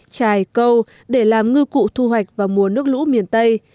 trài câu để làm ngư cụ thu hoạch vào mùa nước lũ miền tây